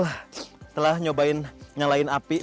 setelah nyobain nyalain api